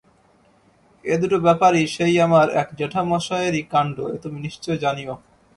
এ দুটো ব্যাপারই সেই আমার এক জ্যাঠামশায়েরই কাণ্ড এ তুমি নিশ্চয় জানিয়ো।